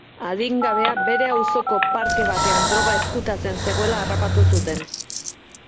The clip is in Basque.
Adingabea bere auzoko parke batean droga ezkutatzen zegoela harrapatu zuten.